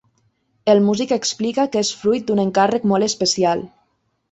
El músic explica que és fruit d'un encàrrec molt especial.